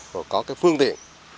và có cái phương tiện